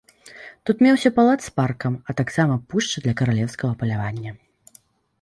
Тут меўся палац з паркам, а таксама пушча для каралеўскага палявання.